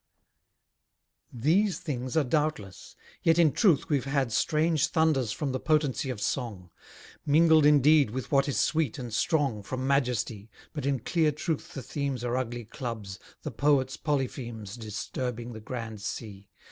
These things are doubtless: yet in truth we've had Strange thunders from the potency of song; Mingled indeed with what is sweet and strong, From majesty: but in clear truth the themes Are ugly clubs, the Poets Polyphemes Disturbing the grand sea.